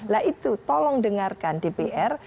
nah itu tolong dengarkan dpr